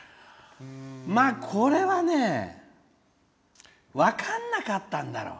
これはね分かんなかったんだろう。